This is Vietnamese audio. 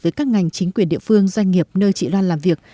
với các ngành chính quyền địa phương doanh nghiệp nơi chị loan làm việc